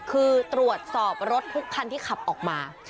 คือตรวจสอบรถทุกคันที่ขับออกมา